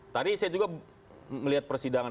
tadi saya juga melihat persidangan